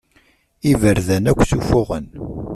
Iberdan akk sufuɣen.